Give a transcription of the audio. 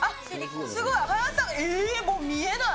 すごい、速さがもう見えない。